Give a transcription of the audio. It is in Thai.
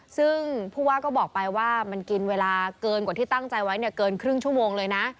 ซึ่งผู้ว่าก็บอกไปว่ามันกินเวลาเกินกว่าที่ตั้งใจไว้เกินครึ่งชั่วโมงเลยนะ